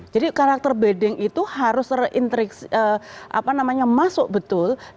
jadi karakter building itu harus terintriks apa namanya masuk betul di dalam sistem program